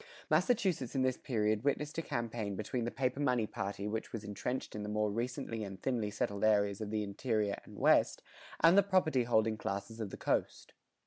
Massachusetts in this period witnessed a campaign between the paper money party which was entrenched in the more recently and thinly settled areas of the interior and west, and the property holding classes of the coast.